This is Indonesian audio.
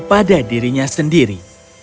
pada dirinya sendiri